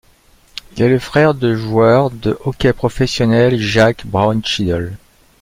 Il est le frère de joueur de hockey professionnel Jack Brownschidle.